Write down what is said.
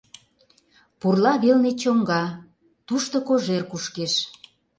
Пурла велне чоҥга, тушто кожер кушкеш.